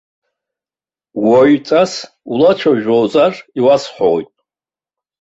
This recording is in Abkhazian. Уаҩҵас улацәажәозар, иуасҳәоит.